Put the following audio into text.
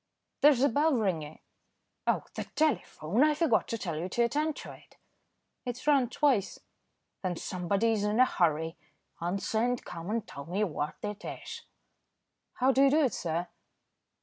"There's a bell ringing." "Oh! the telephone. I forgot to tell you to attend to it." "It's rung twice." "Then somebody is in a hurry. Answer and come and tell me what it is." "How do you do it, sir?"